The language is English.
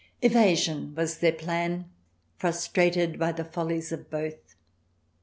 Evasion was their plan, frustrated by the follies of both.